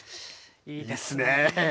いいですね。